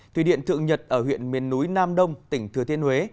thủy điện thượng nhật ở huyện miền núi nam đông tỉnh thừa thiên huế